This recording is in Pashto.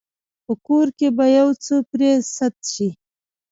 په کور کې به يو څه پرې سد شي.